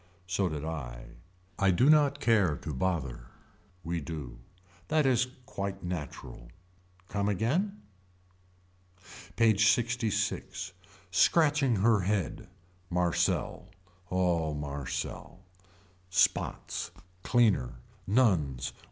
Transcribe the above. So did I. I do not care to bother. We do. That is quite natural. Come again. PAGE LXVI. Scratching her head. Marcel. Oh Marcel. Spots. Cleaner. Nuns.